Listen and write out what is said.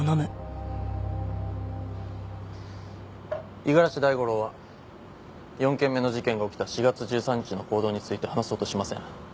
五十嵐大五郎は４件目の事件が起きた４月１３日の行動について話そうとしません。